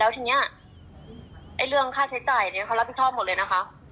ทีนี้เรื่องค่าใช้จ่ายนี้เขารับผิดชอบหมดเลยนะคะ